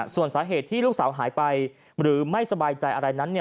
ส่วนสาเหตุที่ลูกสาวหายไปหรือไม่สบายใจอะไรนั้น